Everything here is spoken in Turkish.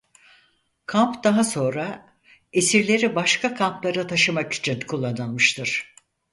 Kamp daha sonra esirleri başka kamplara taşımak için kullanılmıştır.